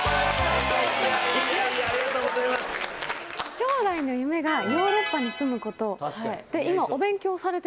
将来の夢がヨーロッパに住むこと。